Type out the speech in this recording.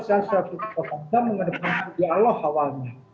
saya sudah mengadakan dialog awalnya